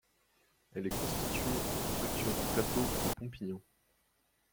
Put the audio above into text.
Elle est constituée par la fracture du plateau de Pompignan.